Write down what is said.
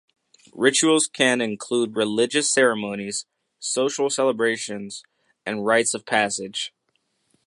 Rituals can include religious ceremonies, social celebrations, and rites of passage.